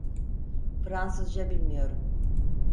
Fransızca bilmiyorum.